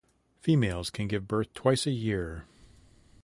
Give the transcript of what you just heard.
Females can give birth twice a year.